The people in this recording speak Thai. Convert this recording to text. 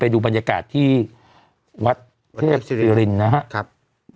ดูบรรยากาศที่วัดเทพศิรินนะครับ